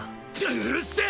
うるせえ！